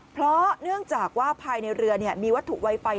เพราะเนื่องจากว่าภายในเรือมีวัตถุไวไฟ